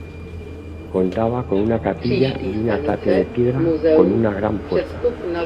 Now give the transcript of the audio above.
Contaba de una capilla y una tapia de piedra con una gran puerta.